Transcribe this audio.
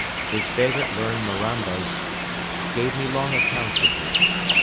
His favorite learned Marambas gave me long accounts of him.